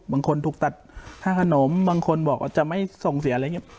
บางคนถูกตัดค่าขนมบางคนบอกว่าจะไม่ส่งเสียอะไรอย่างนี้